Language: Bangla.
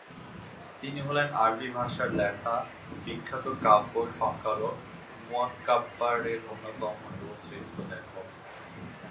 তিনি হলেন আরবি ভাষায় লেখা বিখ্যাত কাব্য সংকলন মুআল্লাক্বা র অন্যতম ও শ্রেষ্ঠ লেখক।